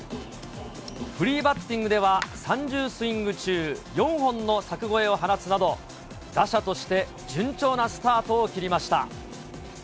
フリーバッティングでは３０スイング中４本の柵越えを放つなど、打者として順調なスタートを切りました。